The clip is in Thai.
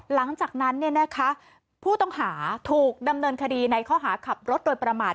หลังจากนั้นผู้ต้องหาถูกดำเนินคดีในข้อหาขับรถโดยประมาท